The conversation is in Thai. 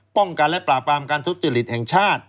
ป้องกันและปราบปรามการทุจริตแห่งชาติ